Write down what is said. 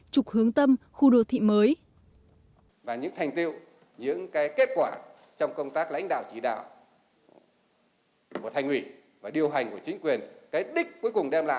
trục hướng tâm khu đô thị mới